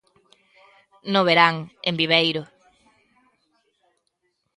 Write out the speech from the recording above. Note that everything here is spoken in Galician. No verán, en Viveiro.